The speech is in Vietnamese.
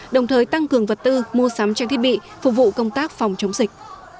đồng thời tăng cường vật tư mua sắm trang thiết bị phục vụ công tác phòng chống dịch